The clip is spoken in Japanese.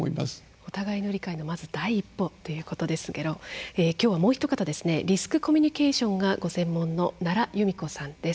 お互いの理解の第一歩ということですが今日は、もう一方リスクコミュニケーションがご専門の奈良由美子さんです。